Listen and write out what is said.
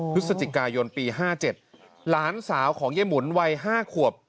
อ๋อพฤศจิกายนปีห้าเจ็ดหลานสาวของเย้หมุนวัยห้าขวบ